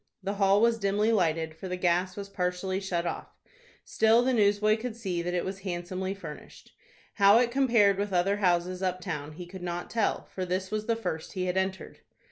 The hall was dimly lighted, for the gas was partially shut off. Still the newsboy could see that it was handsomely furnished. How it compared with other houses up town he could not tell, for this was the first he had entered.